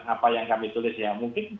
apa yang kami tulis ya mungkin